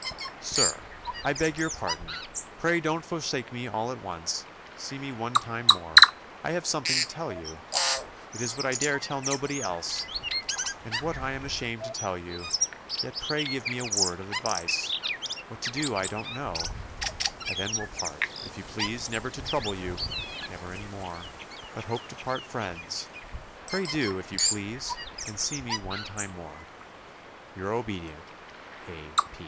"SIR, I beg your pardon pray don't forsake me all at once see me one time more I have something to tell you it is what I dare tell nobody else and what I am ashamed to tell you yet pray give me a word of advice what to do I don't know I then will part, if you please, never to trouble you, never any more but hope to part friends pray do, if you please and see me one time more. "Your obedient, "A.